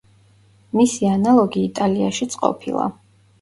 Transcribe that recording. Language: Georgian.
მისი ანალოგი იტალიაშიც ყოფილა.